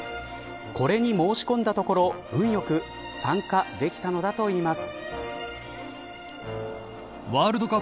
これに申し込んだところ運良く参加できたのだといいます。